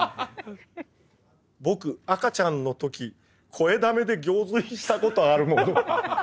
「ボク赤ちゃんの時こえだめで行水したことあるもの」。